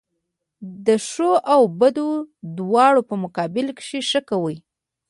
د ښو او بدو دواړو په مقابل کښي ښه کوئ!